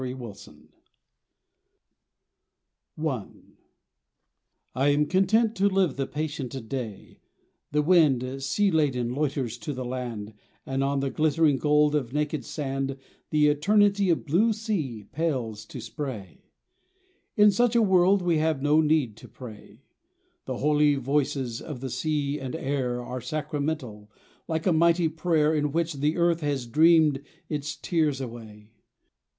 82 TUCKANUCK I AM content to live the patient day : The wind sea laden loiters to the land And on the glittering gold of naked sand The eternity of blue sea pales to spray. In such a world we have no need to pray ; The holy voices of the sea and air Are sacramental, like a mighty prayer In which the earth has dreamed its tears away.